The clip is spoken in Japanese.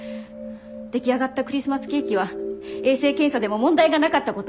出来上がったクリスマスケーキは衛生検査でも問題がなかったこと。